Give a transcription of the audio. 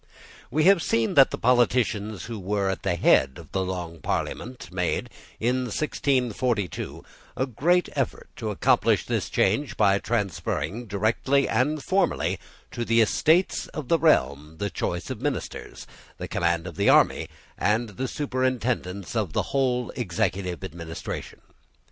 We have seen that the politicians who were at the head of the Long Parliament made, in 1642, a great effort to accomplish this change by transferring, directly and formally, to the estates of the realm the choice of ministers, the command of the army, and the superintendence of the whole executive administration.